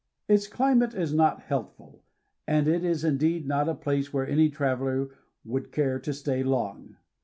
Its climate is not healthful, and it is indeed not a place where any traveler would care to stay long.